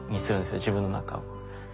自分の中を。